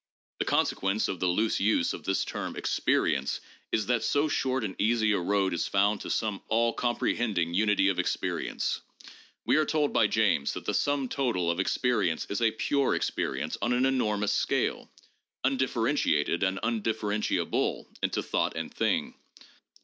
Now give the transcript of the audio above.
The consequence of the loose use of this term 'experience' is that so short and easy a road is found to some all comprehending unity of experience. We are told by James that the sum total of experiences is a 'pure' experience on an enormous scale, undif ferentiated and undifferentiable into thought and thing.